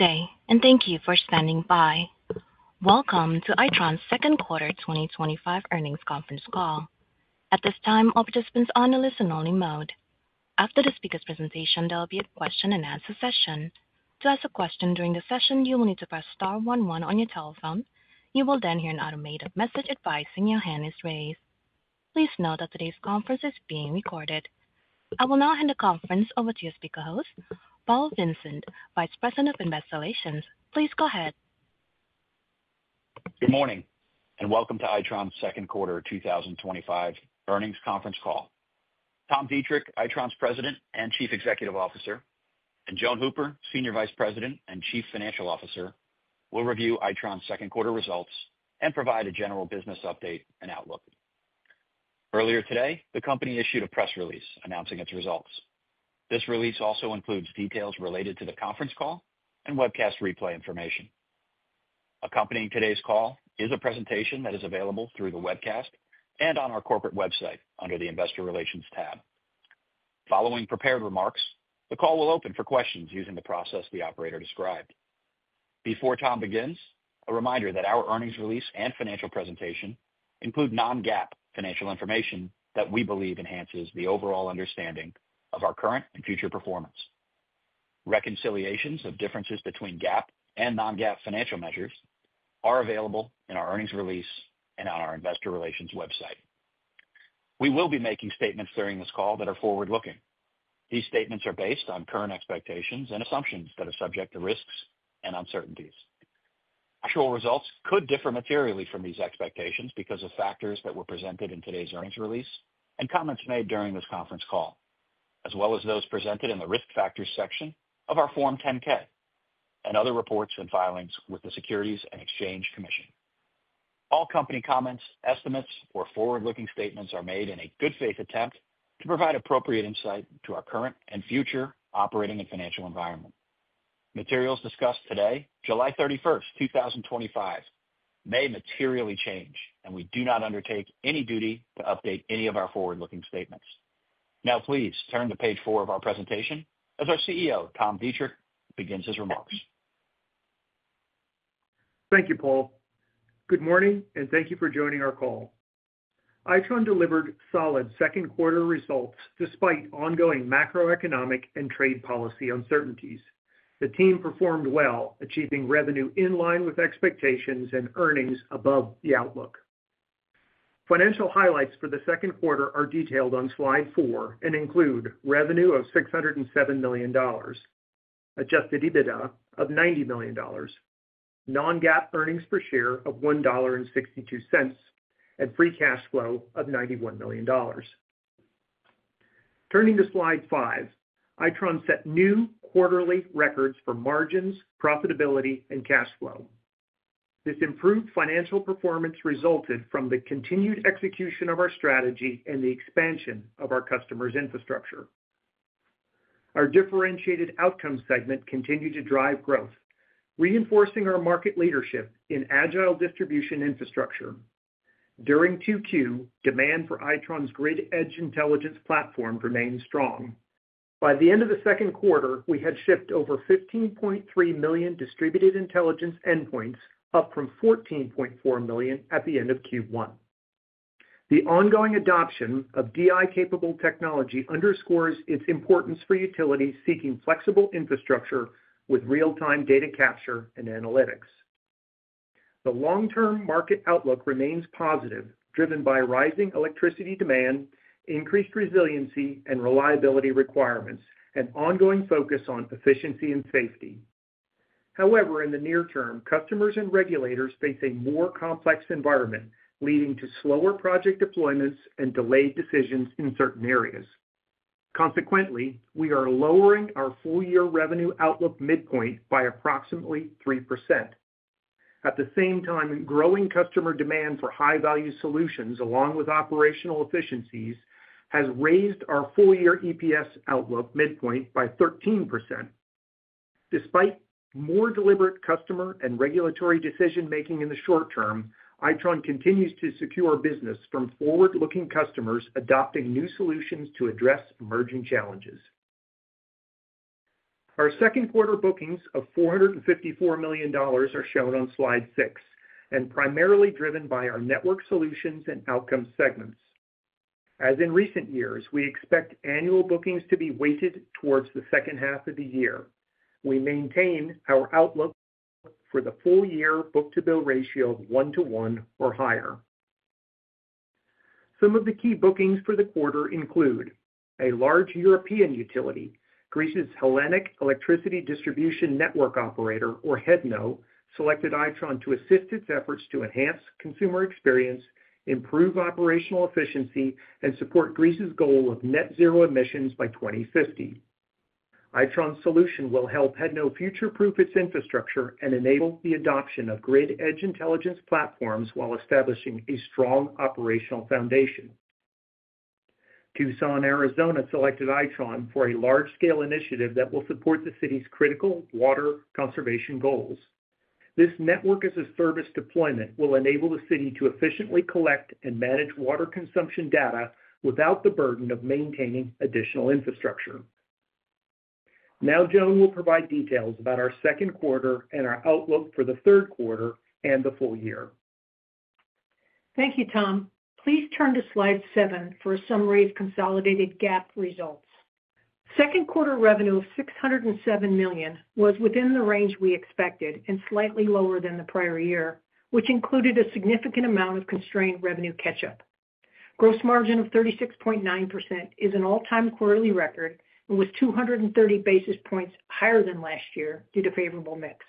Good day and thank you for standing by. Welcome to Itron's Second Quarter 2025 Earnings Conference Call. At this time, all participants are in the listen only mode. After the speaker's presentation, there will be a question and answer session. To ask a question during the session, you will need to press star one one on your telephone. You will then hear an automated message advising your hand is raised. Please note that today's conference is being recorded. I will now hand the conference over to your speaker host, Paul Vincent, Vice President of Investor Relations. Please go ahead. Good morning and welcome to Itron's Second Quarter 2025 Earnings Conference Call. Tom Deitrich, Itron's President and Chief Executive Officer, and Joan Hooper, Senior Vice President and Chief Financial Officer, will review Itron's second quarter results and provide a general business update and outlook. Earlier today the company issued a press release announcing its results. This release also includes details related to the conference call and webcast replay information. Accompanying today's call is a presentation that is available through the webcast and on our corporate website under the Investor Relations tab. Following prepared remarks, the call will open for questions using the process the operator described. Before Tom begins, a reminder that our earnings release and financial presentation include non-GAAP financial information that we believe enhances the overall understanding of our. Current and future performance. Reconciliations of differences between GAAP and non-GAAP financial measures are available in our earnings release and on our Investor Relations website. We will be making statements during this call that are forward-looking. These statements are based on current expectations and assumptions that are subject to risks and uncertainties. Actual results could differ materially from these expectations because of factors that were presented in today's earnings release and comments made during this conference call, as well as those presented in the Risk Factors section of our Form 10-K and other reports and filings with the Securities and Exchange Commission. All company comments, estimates, or forward-looking statements are made in a good faith attempt to provide appropriate insight to our current and future operating and financial environment. Materials discussed today, July 31, 2025, may materially change and we do not undertake any duty to update any of our forward-looking statements. Now please turn to page four of our presentation as our CEO Tom Deitrich begins his remarks. Thank you, Paul. Good morning and thank you for joining our call. Itron delivered solid second quarter results despite ongoing macroeconomic and trade policy uncertainties. The team performed well, achieving revenue in line with expectations and earnings above. The outlook financial highlights for the second quarter are detailed on Slide 4 and include revenue of $607 million, adjusted EBITDA of $90 million, non-GAAP earnings per share of $1.62, and free cash flow of $91 million. Turning to Slide 5, Itron set new quarterly records for margins, profitability, and cash flow. This improved financial performance resulted from the continued execution of our strategy and the expansion of our customers' infrastructure. Our differentiated Outcomes segment continued to drive growth, reinforcing our market leadership in agile distribution infrastructure. During 2Q, demand for Itron's Grid Edge Intelligence platform remains strong. By the end of the second quarter, we had shipped over 15.3 million distributed intelligence endpoints, up from 14.4 million at the end of Q1. The ongoing adoption of DI-capable technology underscores its importance for utilities seeking flexible infrastructure with real-time data capture and analytics. The long-term market outlook remains positive, driven by rising electricity demand, increased resiliency and reliability requirements, and ongoing focus on efficiency and safety. However, in the near term, customers and regulators face a more complex environment, leading to slower project deployments and delayed decisions in certain areas. Consequently, we are lowering our full year revenue outlook midpoint by approximately 3%. At the same time, growing customer demand for high-value solutions along with operational efficiencies has raised our full year EPS outlook midpoint by 13%. Despite more deliberate customer and regulatory decision making in the short term, Itron continues to secure business from forward-looking customers adopting new solutions to address emerging challenges. Our second quarter bookings of $454 million are shown on Slide 6 and are primarily driven by our Network Solutions and Outcomes segments. As in recent years, we expect annual bookings to be weighted towards the second half of the year. We maintain our outlook for the full year book-to-bill ratio of one to one or higher. Some of the key bookings for the. Quarter include a large European utility. Greece's Hellenic Electricity Distribution Network Operator, or HEDNO, selected Itron to assist its efforts to enhance consumer experience, improve operational efficiency, and support Greece's goal of net zero emissions by 2050. Itron's solution will help HEDNO future proof its infrastructure and enable the adoption of grid edge intelligence platforms while establishing a strong operational foundation. Tucson, Arizona selected Itron for a large scale initiative that will support the city's critical water conservation goals. This network as a service deployment will enable the city to efficiently collect and manage water consumption data without the burden of maintaining additional infrastructure. Now Joan will provide details about our second quarter and our outlook for the third quarter and the full year. Thank you, Tom. Please turn to Slide 7 for a summary of consolidated GAAP results. Second quarter revenue of $607 million was within the range we expected and slightly lower than the prior year, which included a significant amount of constrained revenue catch up. Gross margin of 36.9% is an all-time quarterly record and was 230 basis points higher than last year due to favorable mix.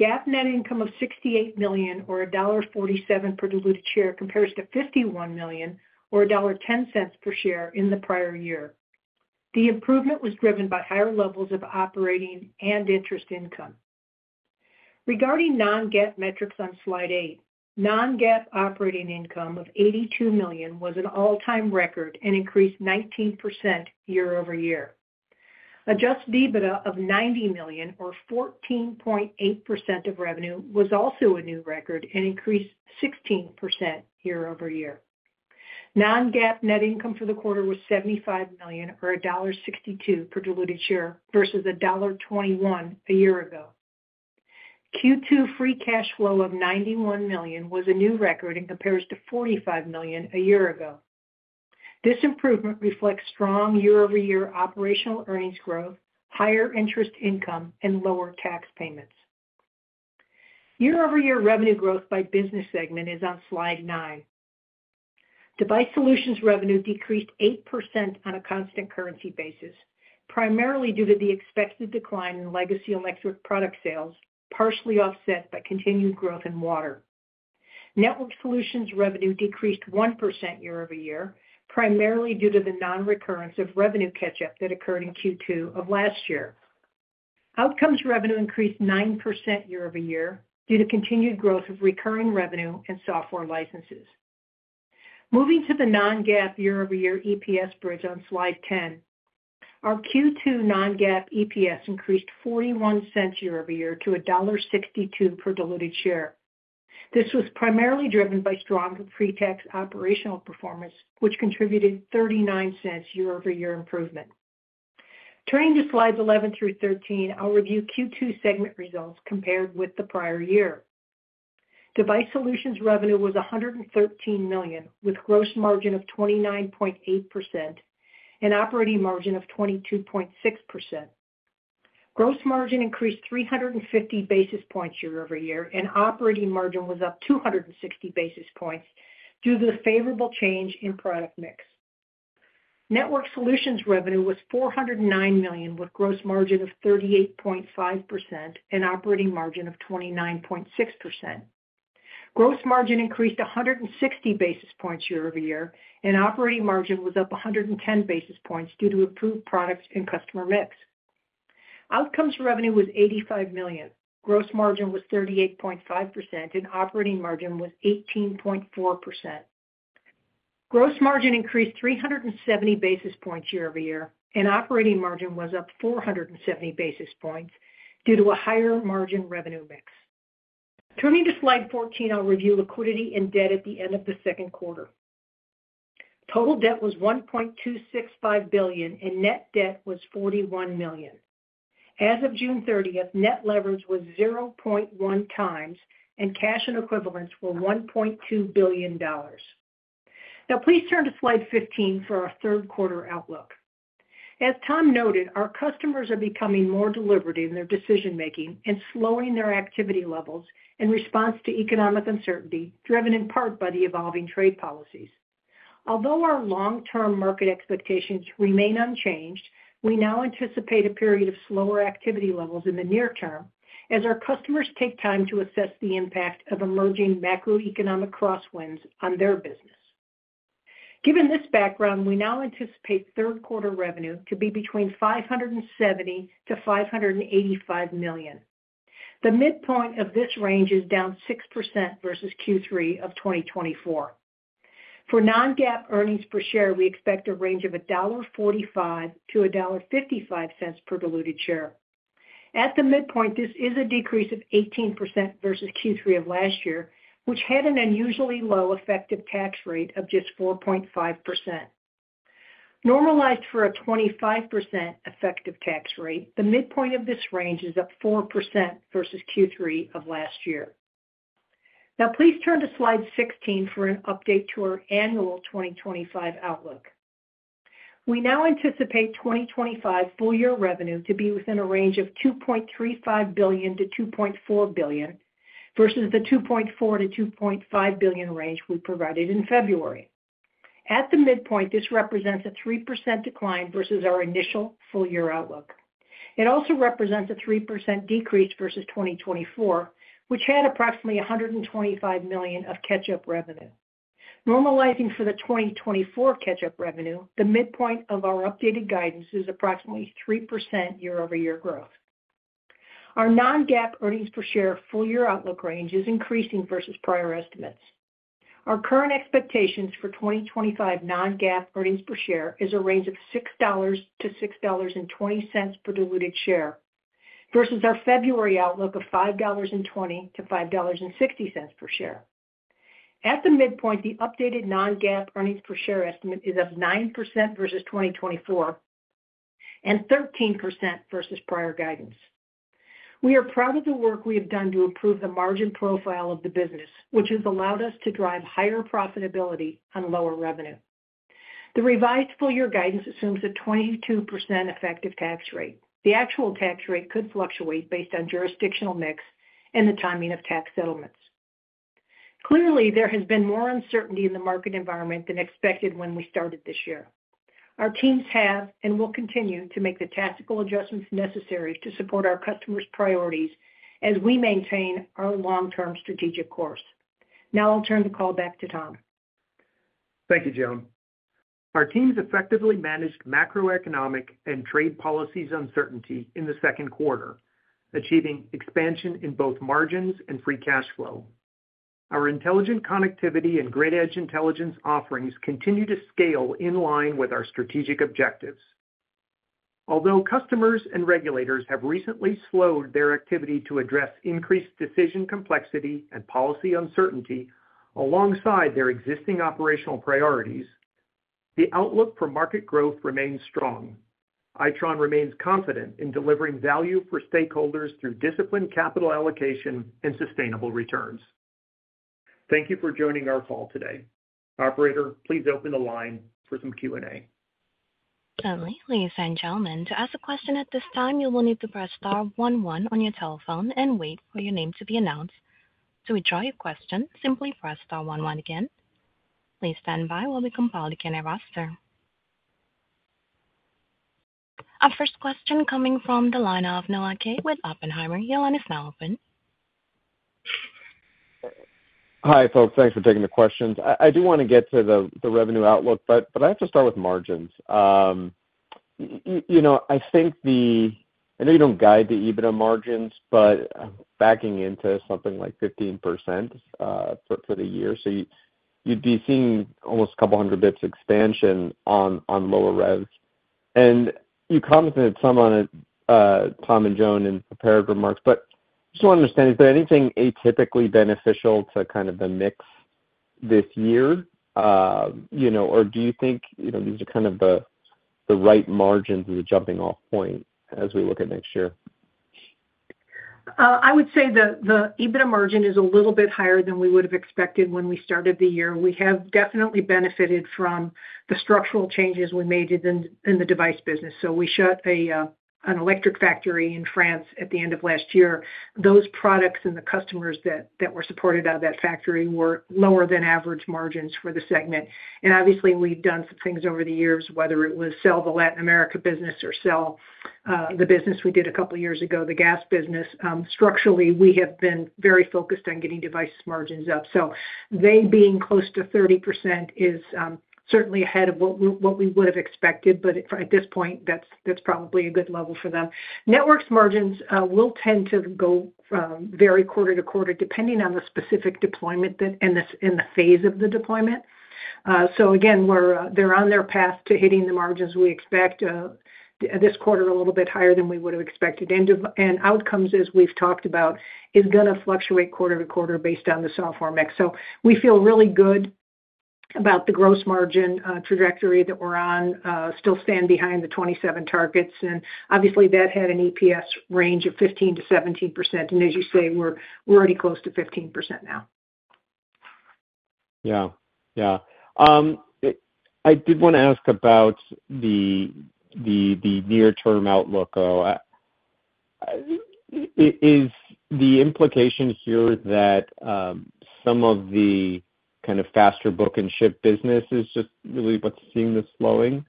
GAAP net income of $68 million, or $1.47 per diluted share, compares to $51 million, or $1.10 per share, in the prior year. The improvement was driven by higher levels of operating and interest income. Regarding non-GAAP metrics on Slide 8, non-GAAP operating income of $82 million was an all-time record and increased 19% year over year. Adjusted EBITDA of $90 million, or 14.8% of revenue, was also a new record and increased 16% year over year. Non-GAAP net income for the quarter was $75 million, or $1.62 per diluted share, versus $1.21 a year ago. Q2 free cash flow of $91 million was a new record and compares to $45 million a year ago. This improvement reflects strong year over year operational earnings growth, higher interest income, and lower tax payments year over year. Revenue growth by business segment is on Slide 9. Device Solutions revenue decreased 8% on a constant currency basis, primarily due to the expected decline in legacy electric product sales, partially offset by continued growth in Water Network Solutions. Revenue decreased 1% year over year, primarily due to the non-recurrence of revenue catch up that occurred in Q2 of last year. Outcomes revenue increased 9% year over year due to continued growth of recurring revenue and software licenses. Moving to the non-GAAP year over year EPS bridge on Slide 10, our Q2 non-GAAP EPS increased $0.41 year over year to $1.62 per diluted share. This was primarily driven by strong pre-tax operational performance, which contributed $0.39 year over year improvement. Turning to Slides 11 through 13, I'll review Q2 segment results. Compared with the prior year, Device Solutions revenue was $113 million with gross margin of 29.8% and operating margin of 22.6%. Gross margin increased 350 basis points year over year, and operating margin was up 260 basis points due to the favorable change in product mix. Network Solutions revenue was $409 million with gross margin of 38.5% and operating margin of 29.6%. Gross margin increased 160 basis points year over year, and operating margin was up 110 basis points due to improved products and customer mix outcomes. Revenue was $85 million. Gross margin was 38.5% and operating margin was 18.4%. Gross margin increased 370 basis points year over year and operating margin was up 470 basis points due to a higher margin revenue mix. Turning to Slide 14, I'll review liquidity and debt. At the end of the second quarter, total debt was $1.265 billion and net debt was $41 million as of June 30th. Net leverage was 0.1 times and cash and equivalents were $1.2 billion. Now please turn to Slide 15 for our third quarter outlook. As Tom noted, our customers are becoming more deliberate in their decision making and slowing their activity levels in response to economic uncertainty, driven in part by the evolving trade policies. Although our long term market expectations remain unchanged, we now anticipate a period of slower activity levels in the near term as our customers take time to assess the impact of emerging macroeconomic crosswinds on their business. Given this background, we now anticipate third quarter revenue to be between $570 million to $585 million. The midpoint of this range is down 6% versus Q3 of 2024. For non-GAAP earnings per share, we expect a range of $1.45 to $1.55 per diluted share. At the midpoint, this is a decrease of 18% versus Q3 of last year, which had an unusually low effective tax rate of just 4.5%. Normalized for a 25% effective tax rate, the midpoint of this range is up 4% versus Q3 of last year. Now please turn to Slide 16 for an update to our annual 2025 outlook. We now anticipate 2025 full year revenue to be within a range of $2.35 billion to $2.4 billion versus the $2.4 billion to $2.5 billion range we provided in February. At the midpoint, this represents a 3% decline versus our initial full year outlook. It also represents a 3% decrease versus 2024, which had approximately $125 million of catch up revenue. Normalizing for the 2024 catch up revenue, the midpoint of our updated guidance is approximately 3% year over year growth. Our non-GAAP earnings per share full year outlook range is increasing versus prior estimates. Our current expectations for 2025 non-GAAP earnings per share is a range of $6 to $6.20 per diluted share versus our February outlook of $5.20 to $5.60 per share. At the midpoint, the updated non-GAAP earnings per share estimate is up 9% versus 2024 and 13% versus prior guidance. We are proud of the work we have done to improve the margin profile of the business, which has allowed us to drive higher profitability on lower revenue. The revised full year guidance assumes a 22% effective tax rate. The actual tax rate could fluctuate based on jurisdictional mix and the timing of tax settlements. Clearly, there has been more uncertainty in the market environment than expected when we started this year. Our teams have and will continue to make the tactical adjustments necessary to support our customers' priorities as we maintain our long-term strategic course. Now I'll turn the call back to Tom. Thank you, Joan. Our teams effectively managed macroeconomic and trade policies uncertainty in the second quarter, achieving expansion in both margins and free cash flow. Our intelligent connectivity and grid edge intelligence offerings continue to scale in line with our strategic objectives. Although customers and regulators have recently slowed their activity to address increased decision complexity and policy uncertainty alongside their existing operational priorities, the outlook for market growth remains strong. Itron remains confident in delivering value for stakeholders through disciplined capital allocation and sustainable returns. Thank you for joining our call today. Operator, please open the line for some. Q and A. Ladies and gentlemen, to ask a question at this time you will need to press star one one on your telephone and wait for your name to be announced. To withdraw your question, simply press star one one again. Please stand by while we compile the queue. Our first question coming from the line of Noah Kaye with Oppenheimer. Your line is now open. Hi folks, thanks for taking the questions. I do want to get to the revenue outlook, but I have to start with margins. I think the. I know you don't guide the EBITDA margins, but backing into something like 15% for the year, you'd be seeing almost a couple hundred bps expansion on lower revs. You commented some on it, Tom and Joan, in prepared remarks. I just wanted to understand, is there anything atypically beneficial to the mix this year, or do you think these are the right margins as a jumping off point as we look at next year? I would say that the EBITDA margin is a little bit higher than we would have expected when we started the year. We have definitely benefited from the structural changes we made in the device business. We shut an electric factory in France at the end of last year. Those products and the customers that were supported out of that factory were lower than average margins for the segment. Obviously we've done some things over the years whether it was sell the Latin America business or sell the business we did a couple years ago. The gas business, structurally we have been very focused on getting device margins up. They being close to 30% is certainly ahead of what we would have expected. At this point that's probably a good level for them. Networks margins will tend to vary quarter to quarter depending on the specific deployment in the phase of the deployment. They're on their path to hitting the margins. We expect this quarter a little bit higher than we would have expected. Outcomes as we've talked about is going to fluctuate quarter to quarter based on the software mix. We feel really good about the gross margin trajectory that we're on. Still stand behind the 27% targets. Obviously that had an EPS range of 15% to 17%. As you say, we're already close to 15% now. I did want to ask about the near term outlook. Is the implication here that some of the kind of faster book and ship business is just really what's seeing the slowing,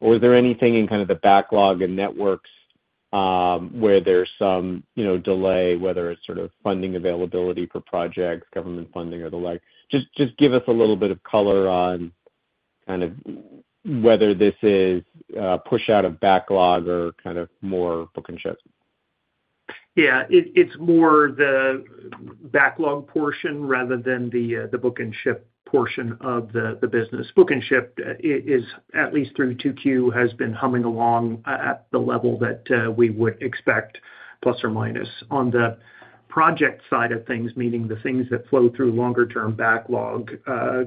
or is there anything in kind of the backlog and networks where there's some delay, whether it's sort of funding availability for projects, government funding or the like? Just give us a little bit of color on kind of whether this is push out of backlog or kind of more book and ships. Yeah, it's more the backlog portion rather than the book and ship portion of the business. Book and ship is at least through 2Q has been humming along at the level that we would expect, plus or minus on the project side of things, meaning the things that flow through. Longer term backlog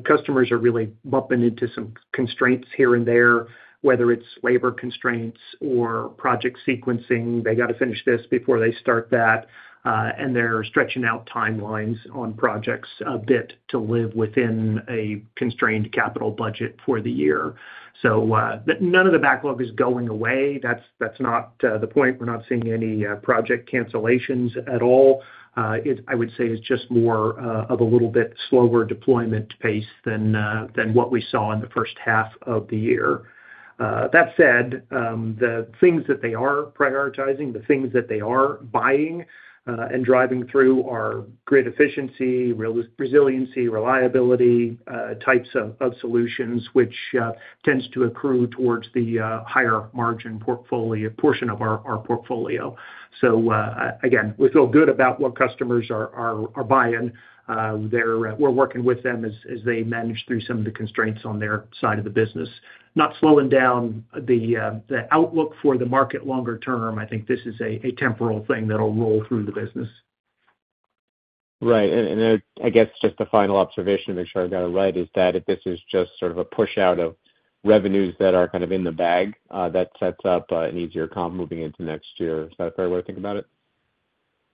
customers are really bumping into some constraints here and there, whether it's labor constraints or project sequencing. They gotta finish this before they start that, and they're stretching out timelines on projects a bit to live within a constrained capital budget for the year. None of the backlog is going away, that's not the point. We're not seeing any project cancellations at all. I would say it's just more of a little bit slower deployment pace than what we saw in the first half of the year. That said, the things that they are prioritizing, the things that they are buying and driving through are grid efficiency, resiliency, reliability, types of solutions which tends to accrue towards the higher margin portfolio portion of our portfolio. Again, we feel good about what customers are buying. We're working with them as they manage through some of the constraints on their side of the business, not slowing down the outlook for the market longer term. I think this is a temporal thing that will roll through the business. Right. I guess just the final observation to make sure I got it right is that if this is just sort of a push out of revenues that are kind of in the bag, that sets up an easier comp moving into next year. Is that a fair way to think about it?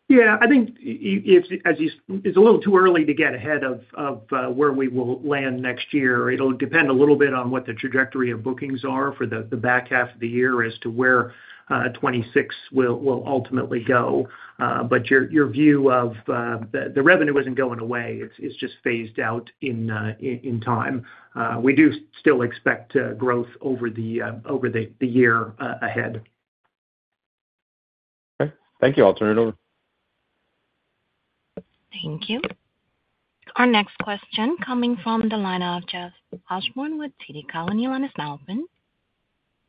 Yes, I think it's a little too early to get ahead of where we will land next year. It'll depend a little bit on what the trajectory of bookings are for the back half of the year as to where 2026 will ultimately go. Your view of the revenue isn't going away, it's just phased out in time. We do still expect growth over the year ahead. Thank you. I'll turn it over. Thank you. Our next question coming from the line of Jeff Osborne with TD Cowen is now open.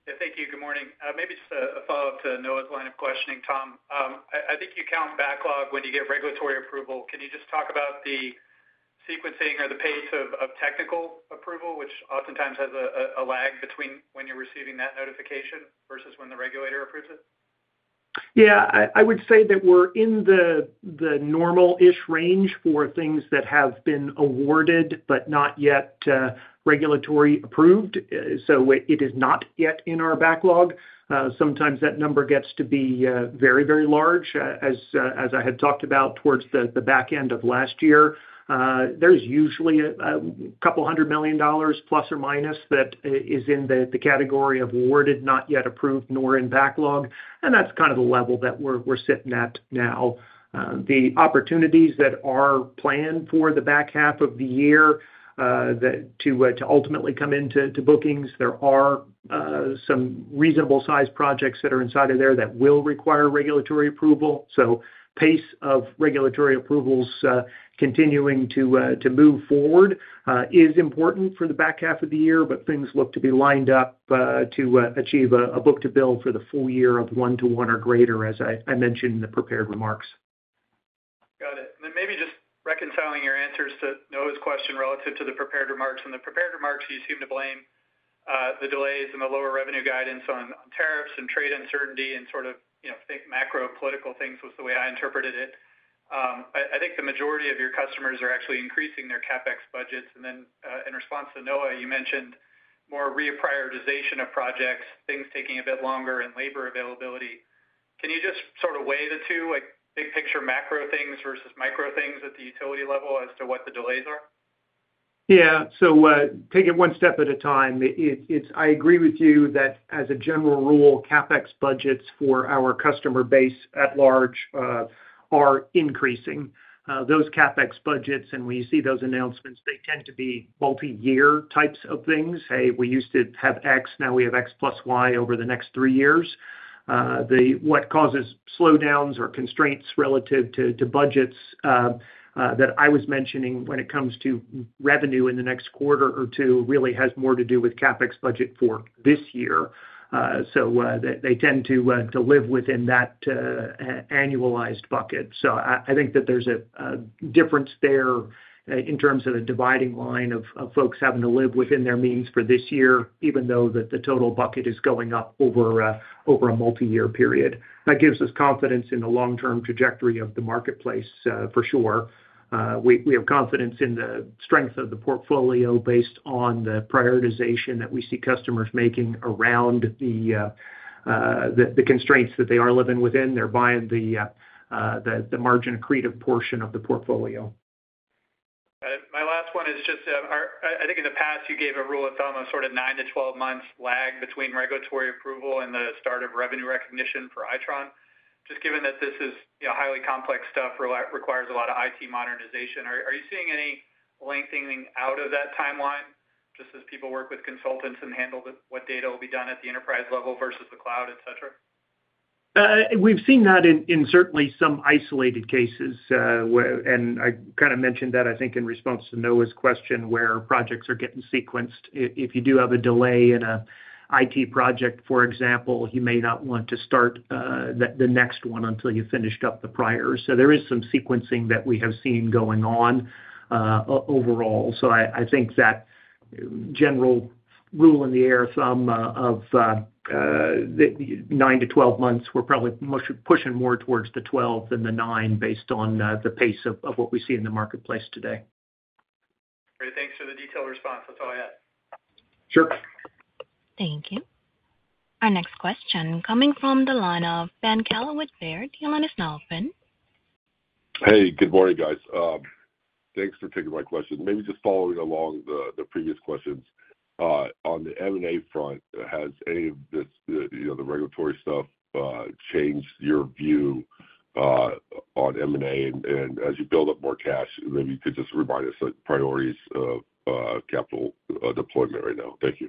Thank you. Good morning. Maybe just a follow up to Noah's line of questioning. Tom, I think you count backlog when you get regulatory approval. Can you just talk about the sequencing or the pace of technical approval, which oftentimes has a lag between when you're receiving that notification versus when the regulator approves it? Yeah, I would say that we're in the normal-ish range for things that have been awarded but not yet regulatory approved, so it is not yet in our backlog. Sometimes that number gets to be very, very large. As I had talked about towards the back end of last year, there's usually a couple hundred million dollars, plus or minus, that is in the category of awarded, not yet, nor in backlog, and that's kind of the level that we're sitting at now. The opportunities that are planned for the back half of the year to ultimately come into bookings, there are some reasonable-sized projects that are inside of there that will require regulatory approval. Pace of regulatory approvals continuing to move forward is important for the back half of the year. Things look to be lined up to achieve a book to bill for the full year of one to one or greater, as I mentioned in the prepared remarks. Got it. Maybe just reconciling your answers to Noah's question relative to the prepared remarks. In the prepared remarks you seem to blame the delays in the lower revenue guidance on tariffs and trade uncertainty and sort of, you know, think macro political things was the way I interpreted it. I think the majority of your customers are actually increasing their CapEx budgets. In response to Noah, you mentioned more reprioritization of projects, things taking a bit longer and labor availability. Can you just sort of weigh the two, like big picture macro things versus micro things at the utility level, as to what the delays are. Yeah, take it one step at a time. I agree with you that as a general rule, CapEx budgets for our customer base at large are increasing those CapEx budgets, and when you see those announcements, they tend to be multi-year types of things. Hey, we used to have X, now we have X + Y over the next three years. What causes slowdowns or constraints relative to budgets that I was mentioning when it comes to revenue in the next quarter or two really has more to do with CapEx budget for this year. They tend to live within that annualized bucket. So. I think that there's a difference there in terms of the dividing line of folks having to live within their means for this year even though the total bucket is going up over a multi-year period. That gives us confidence in the long-term trajectory of the marketplace. For sure, we have confidence in the strength of the portfolio based on the prioritization that we see customers making around the constraints that they are living within. They're buying the margin accretive portion of the portfolio. My last one is just I think in the past you gave a rule of thumb, a sort of 9 to 12 months lag between regulatory approval and the start of revenue recognition for Itron. Just given that this is highly complex stuff, requires a lot of IT modernization, are you seeing any lengthening out of that timeline? Just as people work with consultants and handle what data will be done at the enterprise level versus the client cloud, et cetera. We've seen that in certainly some isolated cases, and I kind of mentioned that, I think in response to Noah's question, where projects are getting sequenced. If you do have a delay in an IT project, for example, you may not want to start the next one until you finished up the prior. There is some sequencing that we have seen going on overall. I think that general rule in the air, some of the nine to 12 months, we're probably pushing more towards the 12 than the nine based on the pace of what we see in the marketplace today. Great. Thanks for the detailed response. That's all I had. Sure, thank you. Our next question coming from the line of Ben Kallo with Baird. Your line is now open. Hey, good morning guys. Thanks for taking my question. Maybe just following along the previous questions on the M&A front. Has any of this, you know, the regulatory stuff changed your view on M&A and as you build up more cash, maybe you could just remind us priorities of capital deployment right now. Thank you.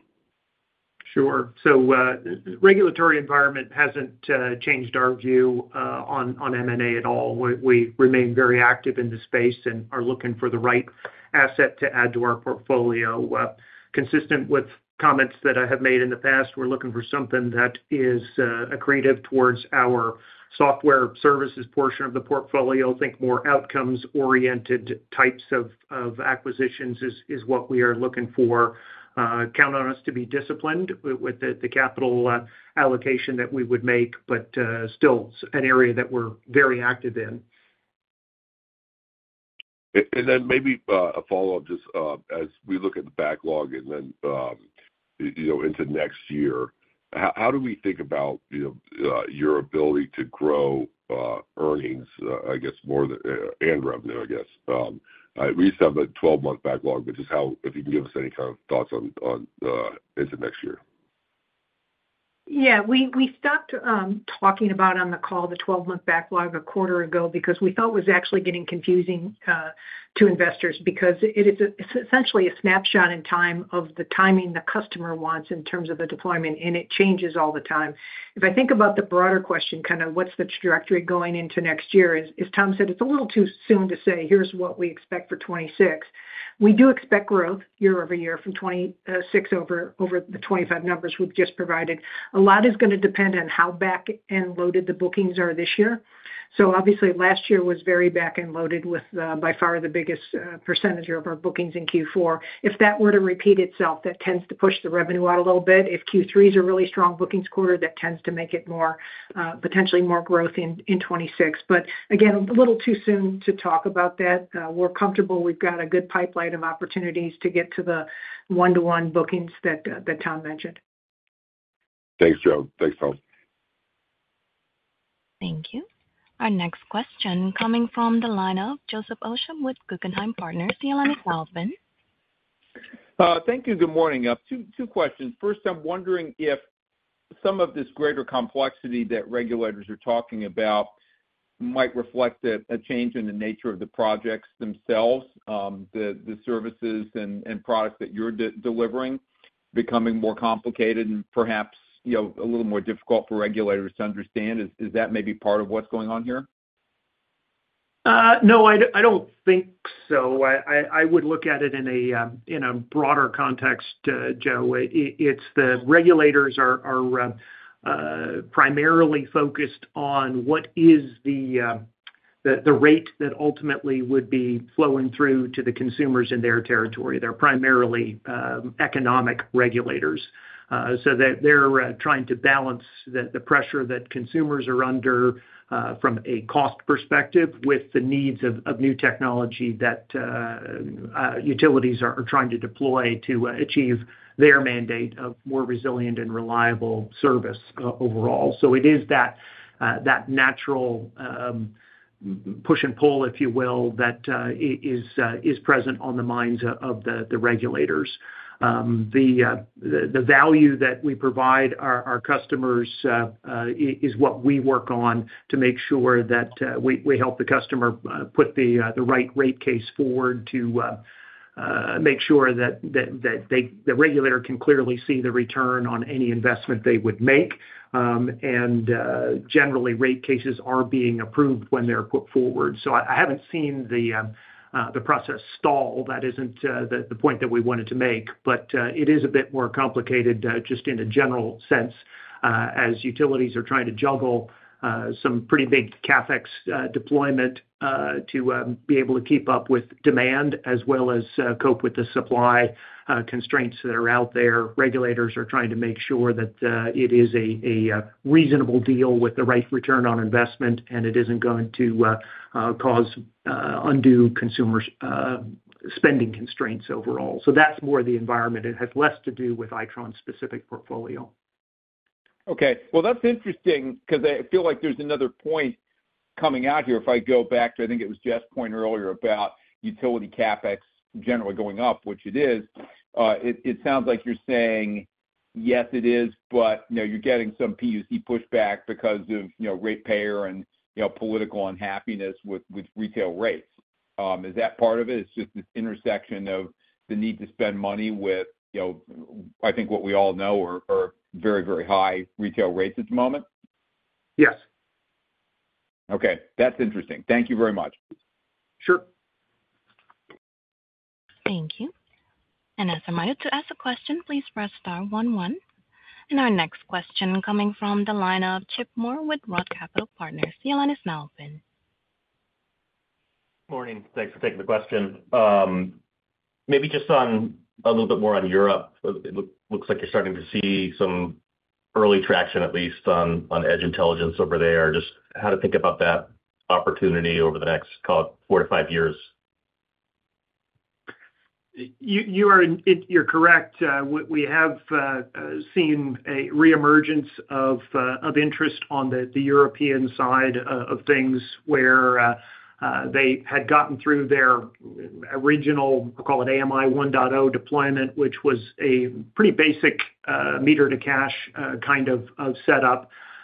Sure. The regulatory environment hasn't changed our view on M&A at all. We remain very active in this space and are looking for the right asset to add to our portfolio. Consistent with comments that I have made in the past, we're looking for something that is accretive towards our software services portion of the portfolio. Think more Outcomes-oriented types of acquisitions is what we are looking for. Count on us to be disciplined with the capital allocation that we would make, but still an area that we're very active in. Maybe a follow up, just as we look at the backlog and then into next year. How do we think about your ability to grow earnings, I guess more, and revenue, I guess? We used to have a 12-month backlog, but just how, if you can give us any kind of thoughts on into next year. Yeah, we stopped talking about on the call the 12-month backlog a quarter ago because we felt it was actually getting confusing to investors because it is essentially a snapshot in time of the timing the customer wants in terms of the deployment, and it changes all the time. If I think about the broader question, kind of what's the trajectory going into next year? As Tom said, it's a little too soon to say here's what we expect for 2026. We do expect growth year over year from 2026 over the 2025 numbers we've just provided. A lot is going to depend on how back end loaded the bookings are this year. Obviously, last year was very back end loaded with by far the biggest % of our bookings in Q4. If that were to repeat itself, that tends to push the revenue out a little bit. If Q3 is a really strong bookings quarter, that tends to make it more, potentially more growth in 2026. Again, a little too soon to talk about that. We're comfortable. We've got a good pipeline of opportunities to get to the one to one bookings that Tom mentioned. Thanks, Joan. Thanks, Tom. Thank you. Our next question coming from the line of, Joseph Osha with Guggenheim Partners. Your line is open. Thank you. Good morning. Two questions. First, I'm wondering if some of this greater complexity that regulators are talking about might reflect a change in the nature of the projects themselves. The services and products that you're delivering becoming more complicated and perhaps a little more difficult for regulators to understand. Is that maybe part of what's going on here? No, I don't think so. I would look at it in a broader context, Joe. The regulators are primarily focused on what is the rate that ultimately would be flowing through to the consumers in their territory. They're primarily economic regulators. They're trying to balance the pressure that consumers are under from a cost perspective with the needs of new technology that utilities are trying to deploy to achieve their mandate of more resilient and reliable service overall. It is that natural push and pull, if you will, that is present on the minds of the regulators. The value that we provide our customers is what we work on to make sure that we help the customer put the right rate case forward, to make sure that the regulator can clearly see the return on any investment they would make. Generally, rate cases are being approved when they're put forward. I haven't seen the process stall. That isn't the point that we wanted to make. It is a bit more complicated, just in a general sense. As utilities are trying to juggle some pretty big CapEx deployment to be able to keep up with demand as well as cope with the supply constraints that are out there, regulators are trying to make sure that it is a reasonable deal with the right return on investment and it isn't going to cause undue consumer spending constraints overall. That's more the environment. It has less to do with Itron specific portfolio. Okay, that's interesting because I feel like there's another point coming out here if I go back to, I think it was Jeff's point earlier about utility CapEx generally going up, which it is. It sounds like you're saying, yes, it is, but you're getting some PUC pushback because of ratepayer and, you know, political unhappiness with retail rates. Is that part of it? It's just this intersection of the need to spend money with, you know, I think what we all know are very, very high retail rates at the moment. Yes. Okay, that's interesting. Thank you very much. Sure. Thank you. To ask a question, please press star one one. Our next question is coming from the line of Chip Moore with Roth Capital Partners. The line is now open. Morning. Thanks for taking the question. Maybe just on a little bit more. On Europe, it looks like you're starting. To see some early traction at least on edge intelligence over there. Just how to think about that opportunity over the next four to five years. You're correct. We have seen a reemergence of interest on the European side of things where they had gotten through their original, call it, AMI 1.0 deployment, which was a pretty basic meter to cache kind of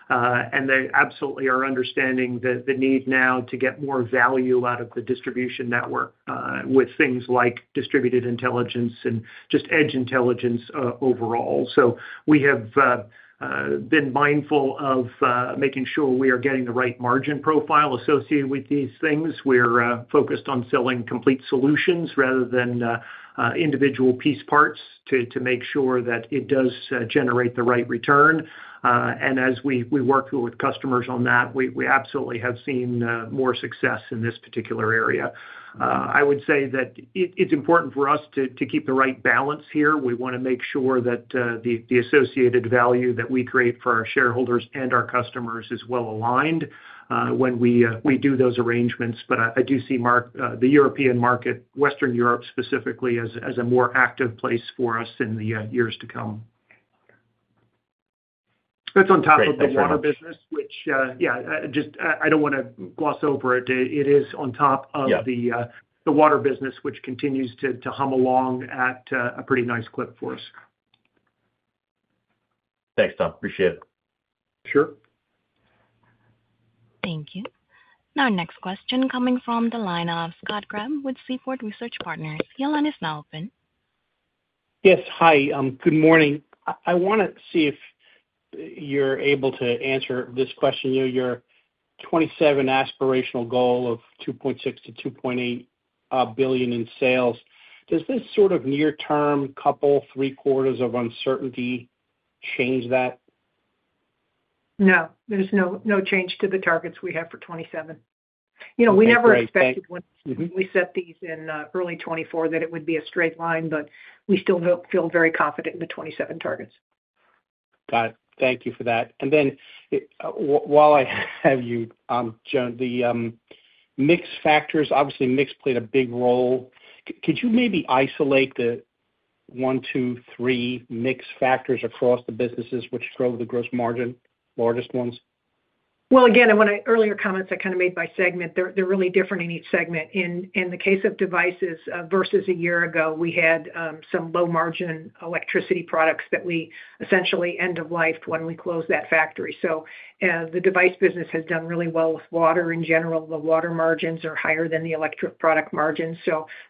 setup. They absolutely are understanding the need now to get more value out of the distribution network with things like distributed intelligence and just edge intelligence overall. We have been mindful of making sure we are getting the right margin profile associated with these things. We're focused on selling complete solutions rather than individual piece parts to make sure that it does generate the right return. As we work with customers on that, we absolutely have seen more success in this particular area. I would say that it's important for us to keep the right balance here. We want to make sure that the associated value that we create for our shareholders and our customers is well aligned when we do those arrangements. I do see the European market, Western Europe specifically, as a more active place for us in the years to come. That's on top of the water business, which, yeah, I don't want to gloss over it. It is on top of the water business, which continues to hum along at a pretty nice clip for us. Thanks, Tom. Appreciate it. Sure. Thank you. Now, next question coming from the line of Scott Graham with Seaport Research Partners. Your line is now open. Yes. Hi, good morning. I want to see if you're able to answer this question. Your 2027 aspirational goal of $2.6 to $2.8 billion in sales, does this sort of near-term, couple, three quarters of uncertainty change that? No, there's no change to the targets we have for 2027. You know, we never expected when we set these in early 2024 that it would be a straight line, but we still feel very confident in the 2027 targets. Got it. Thank you for that. While I have you, Joan, the mix factors, obviously mix played a big role. Could you maybe isolate the 1, 2, 3 mix factors across the businesses which drove the gross margin, largest ones? Earlier comments I kind of made by segment, they're really different in each segment. In the case of devices versus a year ago, we had some low margin electricity products that we essentially end of life when we closed that factory. The device business has done really well with water. In general, the water margins are higher than the electric product margins.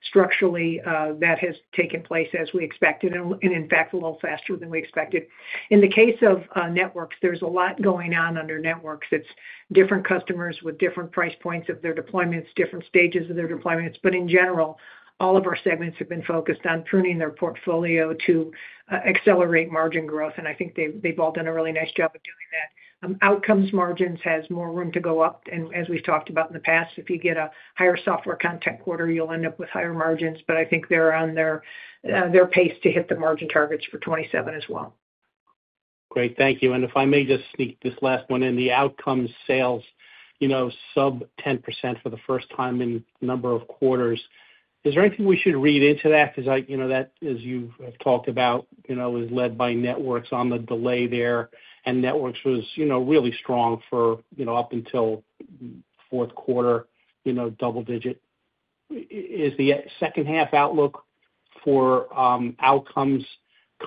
Structurally that has taken place as we expected and in fact a little faster than we expected. In the case of networks, there's a lot going on under networks. It's different customers with different price points of their deployments, different stages of their deployments. In general, all of our segments have been focused on pruning their portfolio to accelerate margin growth. I think they've all done a really nice job of doing that. Outcomes margins has more room to go up and as we've talked about in the past, if you get a higher software content quarter, you'll end up with higher margins. I think they're on their pace to hit the margin targets for 2027 as well. Great, thank you. If I may just sneak this last one in, the Outcomes sales, you know, sub 10% for the first time in a number of quarters. Is there anything we should read into that? Because that, as you talked about, is led by Networks on the delay there, and Networks was really strong up until fourth quarter double digit. Is the second half outlook for Outcomes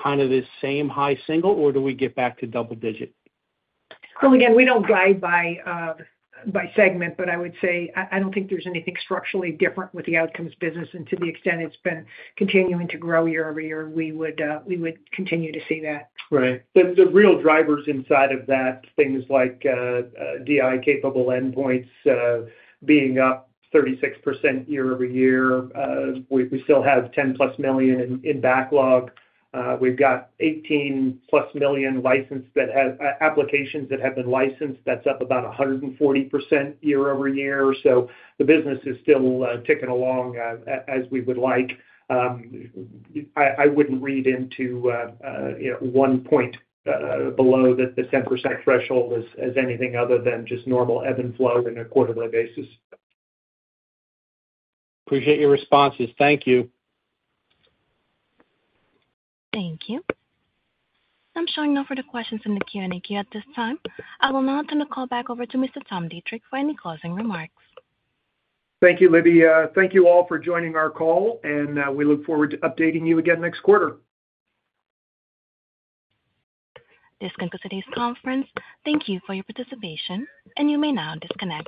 kind of the same high single, or do we get back to double digit? We don't guide by segment, but I would say I don't think there's anything structurally different with the Outcomes business. To the extent it's been continuing to grow year over year, we would continue to see that. Right. The real drivers inside of that are things like DI-capable endpoints being up 36% year over year. We still have $10+ million in backlog. We've got 18+ million licenses that have applications that have been licensed. That's up about 140% year over year. The business is still ticking along as we would like. I wouldn't read into one point below the 10% threshold as anything other than just normal ebb and flow on a quarterly basis. Appreciate your responses. Thank you. Thank you. I'm showing no further questions in the Q&A queue at this time. I will now turn the call back over to Mr. Tom Deitrich for any closing remarks. Thank you, Libby. Thank you all for joining our call, and we look forward to updating you again next quarter. This concludes today's conference. Thank you for your participation and you may now disconnect.